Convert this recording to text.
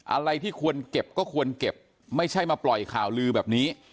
อะไรที่ควรเก็บก็ควรเก็บไม่ใช่มาปล่อยข่าวลือแบบนี้